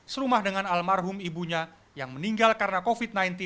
serumah dengan almarhum ibunya yang meninggal karena covid sembilan belas